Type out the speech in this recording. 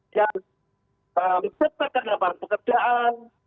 dan mencetakkan lapangan pekerjaan